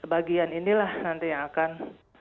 bagian inilah nanti yang akan